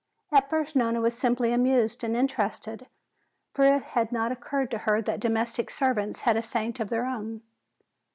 At first Nona was simply amused and interested, for it had not occurred to her that domestic servants had a saint of their own.